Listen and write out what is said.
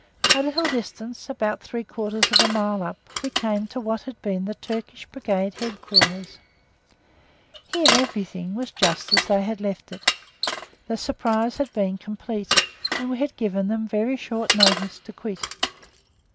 A little distance, about three quarters of a mile up, we came to what had been the Turkish Brigade Headquarters. Here everything was as they had left it. The surprise had been complete, and we had given them very short notice to quit.